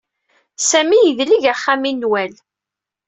Sami yedleg axxam i Newwal.